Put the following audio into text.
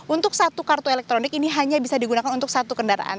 untuk satu kartu elektronik ini hanya bisa digunakan untuk satu kendaraan